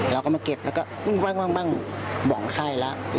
เราก็มาเก็บแล้วก็บ้างบ่องไข่แล้ว